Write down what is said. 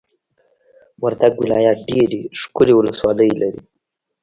وردګ ولایت ډېرې ښکلې ولسوالۍ لري!